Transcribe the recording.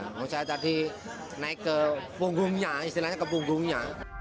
kalau saya tadi naik ke punggungnya istilahnya ke punggungnya